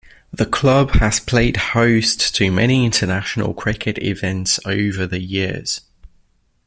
The club has played host to many international cricket events over the years.